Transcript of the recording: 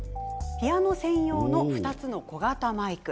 ピアノ専用の２つの小型マイク。